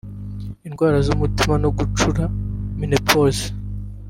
indwara z’umutima no gucura (menopause)